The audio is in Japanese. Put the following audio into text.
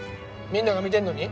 みんなが見てるのに？